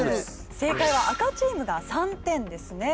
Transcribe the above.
正解は赤チームが３点ですね。